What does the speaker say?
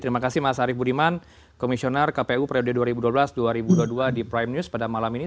terima kasih mas arief budiman komisioner kpu periode dua ribu dua belas dua ribu dua puluh dua di prime news pada malam ini